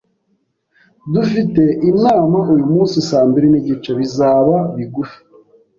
Dufite inama uyumunsi saa mbiri nigice. Bizaba bigufi